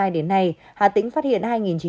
hai nghìn một mươi hai đến nay hà tĩnh phát hiện